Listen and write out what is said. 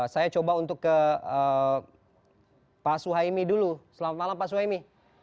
saya coba untuk ke pak suhaimi dulu selamat malam pak suhaimi